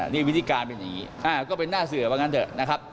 นี่วิธีการเป็นอย่างนี้ก็เป็นหน้าเสือว่างั้นเถอะนะครับ